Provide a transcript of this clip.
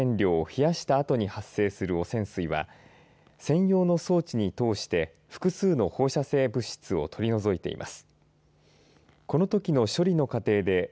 福島第１原発で溶け落ちた核燃料を溶かしたあとに発生する汚染水は専用の装置に通して複数の放射性物質を取り除いています。